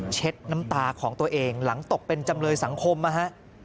เช็ดน้ำตาของตัวเองหลังตกเป็นจำเลยสังคมนะฮะ